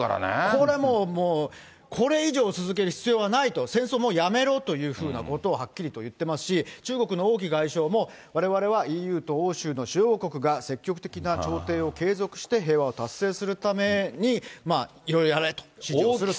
これもう、これ以上続ける必要はないと戦争もうやめろというようなことをはっきりと言ってますし、中国の王毅外相も、われわれはＥＵと欧州の主要国が積極的な調停を継続して、平和を達成するためにいろいろやることを指示をしました。